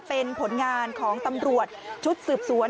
เป็นผลงานของตำรวจชุดสืบสวน